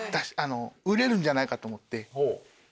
売れるんじゃないかと思って。